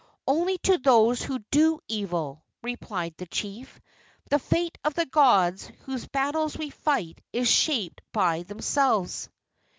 "Only to those who do evil," replied the chief. "The fate of the gods, whose battles we fight, is shaped by themselves."